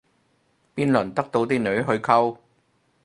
邊輪得到啲女去溝